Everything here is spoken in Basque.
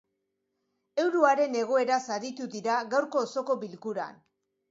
Euroaren egoeraz aritu dira gaurko osoko bilkuran.